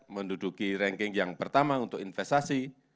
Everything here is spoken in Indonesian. menduduki ranking yang pertama untuk investasi